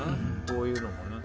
こういうのもね。